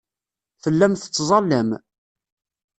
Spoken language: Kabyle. Tellam tettẓallam.